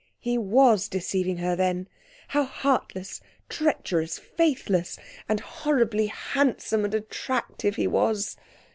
He was deceiving her, then! How heartless, treacherous, faithless and horribly handsome and attractive he was!